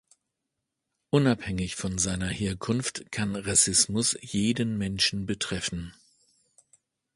Unabhängig von seiner Herkunft kann Rassismus jeden Menschen betreffen.